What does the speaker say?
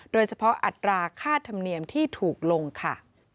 โดยเฉพาะอัตราค่าธรรมเนียมที่ถูกลงค่ะ